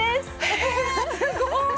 すごい！